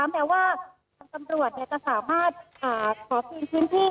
แม้ว่าทางตำรวจจะสามารถขอคืนพื้นที่